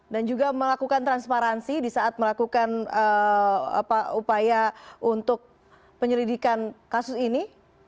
dan juga melakukan transparansi di saat melakukan upaya untuk penyelidikan kasus ini